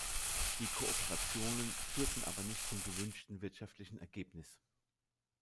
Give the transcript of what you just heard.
Die Kooperationen führten aber nicht zum gewünschten wirtschaftlichen Ergebnis.